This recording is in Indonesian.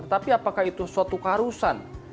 tetapi apakah itu suatu keharusan